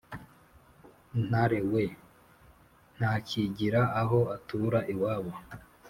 ntare we ntakigira aho atura iwabo